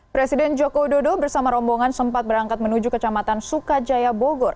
presiden joko widodo bersama rombongan sempat berangkat menuju kecamatan sukajaya bogor